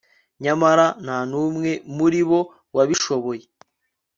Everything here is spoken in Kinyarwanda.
nyamara ntanumwe muribo wabishoboye